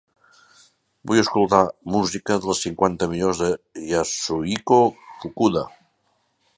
Vull escoltar música de les cinquanta millors de Yasuhiko Fukuda